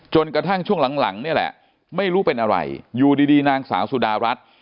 กระทั่งช่วงหลังนี่แหละไม่รู้เป็นอะไรอยู่ดีนางสาวสุดารัฐ